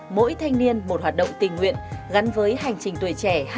mỗi thanh niên một hoạt động tình nguyện gắn với hành trình tuổi trẻ hai nghìn hai mươi bốn